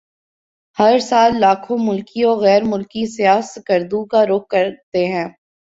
ہر سال لاکھوں ملکی وغیر ملکی سیاح سکردو کا رخ کرتے ہیں